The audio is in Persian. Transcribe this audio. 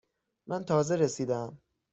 من تازه رسیده ام.